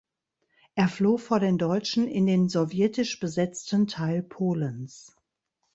Er floh vor den Deutschen in den sowjetisch besetzten Teil Polens.